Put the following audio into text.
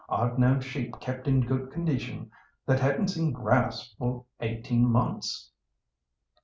I've known sheep kept in good condition that hadn't seen grass for eighteen months."